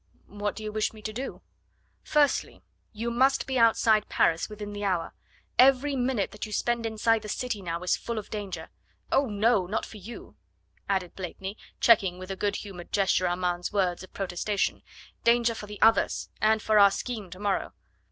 "What do you wish me to do?" "Firstly, you must be outside Paris within the hour. Every minute that you spend inside the city now is full of danger oh, no! not for you," added Blakeney, checking with a good humoured gesture Armand's words of protestation, "danger for the others and for our scheme tomorrow."